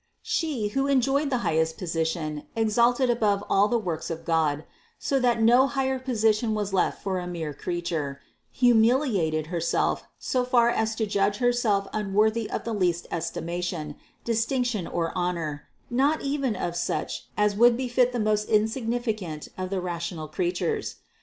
She, who enjoyed the highest position, exalted above all the works of God, so that no higher position was left for a mere creature, humiliated Herself so far as to judge Herself unworthy of the least estimation, distinction or honor, not even of such as would befit the most insignificant of the rational creatures.